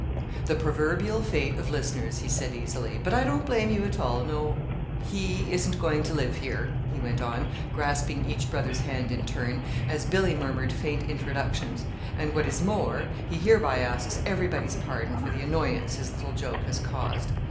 "The proverbial fate of listeners," he said easily; "but I don't blame you at all. No, 'he' isn't going to live here," he went on, grasping each brother's hand in turn, as Billy murmured faint introductions; "and what is more, he hereby asks everybody's pardon for the annoyance his little joke has caused.